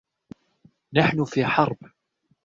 نحن في حرب.